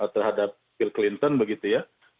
terhadap bill clinton begitu ya